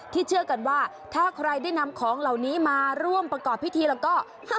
เชื่อกันว่าถ้าใครได้นำของเหล่านี้มาร่วมประกอบพิธีแล้วก็